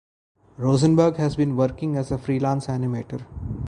Rosenberg has been working as a freelance animator.